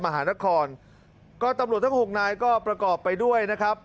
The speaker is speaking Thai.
มหานครก็ตำรวจทั้งหกนายก็ประกอบไปด้วยนะครับ